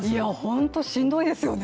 本当にしんどいですよね。